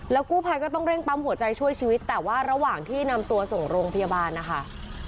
กู้ภัยก็ต้องเร่งปั๊มหัวใจช่วยชีวิตแต่ว่าระหว่างที่นำตัวส่งโรงพยาบาลนะคะ